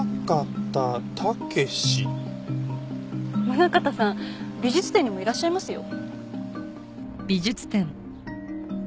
宗像さん美術展にもいらっしゃいますよ。